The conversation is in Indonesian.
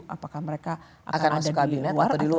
apakah mereka akan masuk kabinet atau di luar